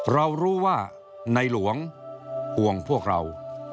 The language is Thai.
เรารู้ว่าในหลวงห่วงพวกเรา